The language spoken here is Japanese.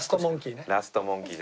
ラストモンキー。